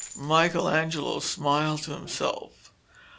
Michelangelo smiled to himself.